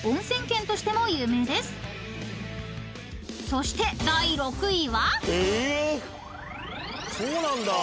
［そして第６位は？］